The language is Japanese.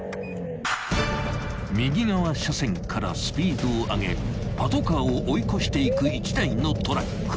［右側車線からスピードを上げパトカーを追い越していく１台のトラック］